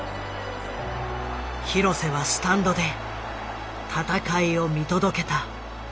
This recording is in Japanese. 廣瀬はスタンドで戦いを見届けた。